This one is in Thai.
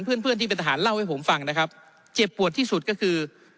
เพื่อนเพื่อนที่เป็นทหารเล่าให้ผมฟังนะครับเจ็บปวดที่สุดก็คือ